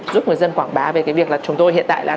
giúp người dân quảng bá về cái việc là chúng tôi hiện tại